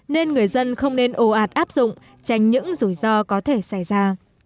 nên người dân không nên ồ ạt áp dụng tránh những rủi ro có thể xảy ra